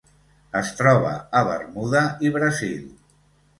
Es troba a Bermuda i Brasil.